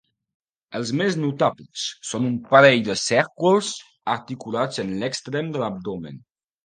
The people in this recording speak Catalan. Els més notables són un parell de cèrcols articulats en l'extrem de l'abdomen.